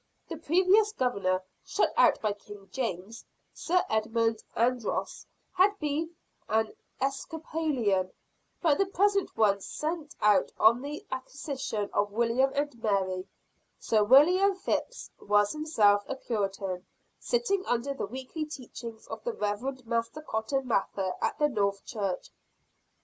The previous Governor, shut out by King James, Sir Edmund Andros, had been an Episcopalian; but the present one sent out on the accession of William and Mary, Sir William Phips, was himself a Puritan, sitting under the weekly teachings of the Reverend Master Cotton Mather at the North church.